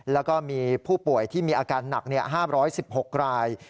แล้วก็มีผู้ป่วยที่มีอาการหนัก๕๑๖ราย